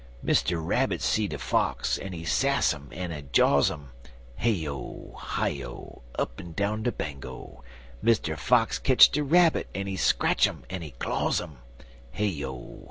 Mr. Rabbit see de Fox, en he sass um en jaws um (Hey O! Hi O! Up'n down de Bango!) Mr. Fox ketch de Rabbit, en he scratch um en he claws um (Hey O!